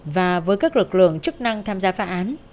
và với các lực lượng chức năng tham gia phá án